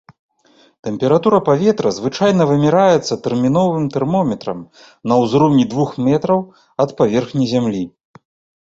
Тэмпература паветра звычайна вымяраецца тэрміновым тэрмометрам на ўзроўні двух метраў ад паверхні зямлі.